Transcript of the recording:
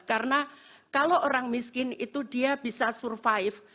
karena kalau orang miskin itu dia bisa survive